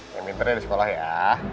ya minta dia di sekolah ya